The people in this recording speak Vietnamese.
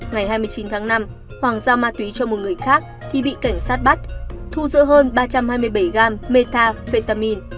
ngày hai mươi chín tháng năm hoàng giao ma túy cho một người khác thì bị cảnh sát bắt thu giữ hơn ba trăm hai mươi bảy gram metafetamin